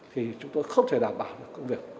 thì chúng tôi không thể đảm bảo công việc